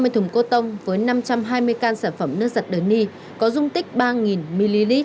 một trăm ba mươi thùng cô tông với năm trăm hai mươi can sản phẩm nước giặt dini có dung tích ba ml